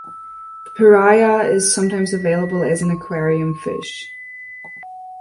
The piraya is sometimes available as an aquarium fish.